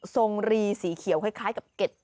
รีสีเขียวคล้ายกับเก็ด